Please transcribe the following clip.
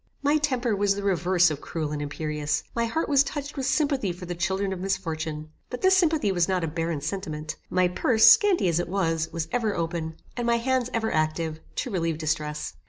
My temper was the reverse of cruel and imperious. My heart was touched with sympathy for the children of misfortune. But this sympathy was not a barren sentiment. My purse, scanty as it was, was ever open, and my hands ever active, to relieve distress.